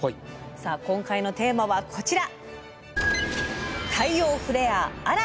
さあ今回のテーマはこちら。